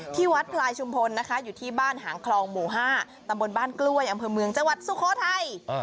ที่วัดพลายชุมพลนะคะอยู่ที่บ้านหางคลองหมู่๕ตำบลบ้านกล้วยอำเภอเมืองจังหวัดสุโขทัย